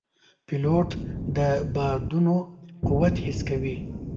پیلوټ د بادونو قوت حس کوي.